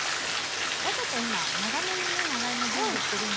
わざと今長めにね長芋準備してるんですけど。